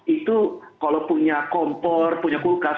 itu kalau punya kompor punya kulkas